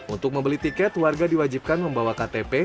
untuk membeli tiket warga diwajibkan membawa ktp